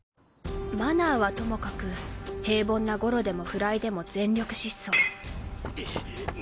マナーはともかく平凡なゴロでもフライでも全力疾走。